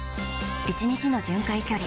１日の巡回距離